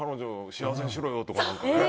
幸せにしろよとか。